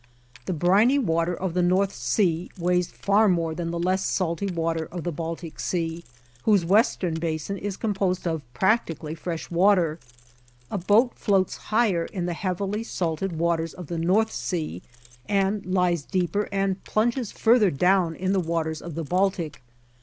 The briny water of the North Sea weighs far more than the less salty water of the Baltic Sea, whose western basin is composed of practically fresh water. A boat floats higher in the heavily salted waters of the North Sea and lies deeper and plunges farther down in the waters of the Baltic.